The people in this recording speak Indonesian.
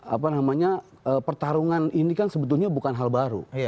apa namanya pertarungan ini kan sebetulnya bukan hal baru